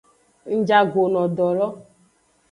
Ngjago no do lo.